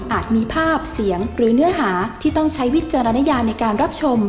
มีภาพเสียงหรือเนื้อหาที่ต้องใช้วิจารณญาในการรับชม